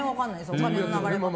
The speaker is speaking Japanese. お金の流れは。